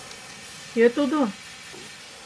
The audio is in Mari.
— Кӧ тудо?